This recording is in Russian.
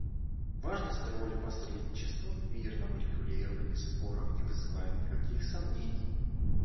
Важность роли посредничества в мирном урегулировании споров не вызывает никаких сомнений.